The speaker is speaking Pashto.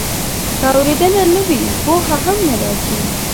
که اورېدنه نه وي، پوهه هم نه راځي.